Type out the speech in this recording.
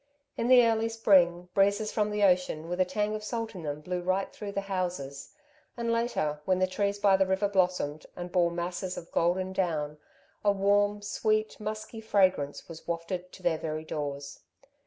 In the early spring, breezes from the ocean with a tang of salt in them blew right through the houses, and later, when the trees by the river blossomed, and bore masses of golden down, a warm, sweet, musky fragrance was wafted to their very doors.